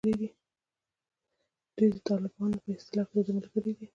دوی د طالبانو په اصطلاح دده ملګري دي.